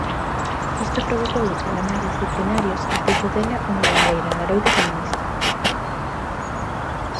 Isto provocoulle problemas disciplinarios e fixo dela unha bandeira da loita feminista.